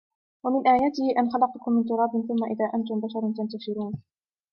ومن آياته أن خلقكم من تراب ثم إذا أنتم بشر تنتشرون